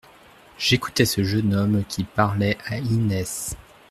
J’écoutais ce jeune homme, qui parlait à Inès.